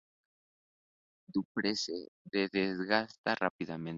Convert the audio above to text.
Dupree se desgasta rápidamente".